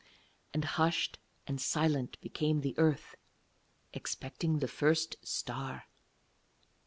And hushed and silent became the earth, expecting the first star.